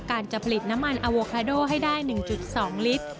การจะผลิตน้ำมันอโวคาโดให้ได้๑๒ลิตร